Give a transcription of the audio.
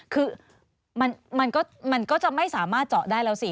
คือมันก็จะไม่สามารถเจาะได้แล้วสิ